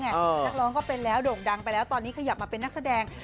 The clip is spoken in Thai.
นักร้องก็เป็นแล้วโด่งดังไปแล้วตอนนี้ขยับมาเป็นนักแสดง